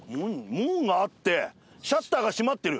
門があってシャッターが閉まってる。